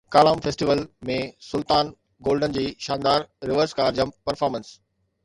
Kalam festival ۾ Sultan Golden جي شاندار reverse car jump performance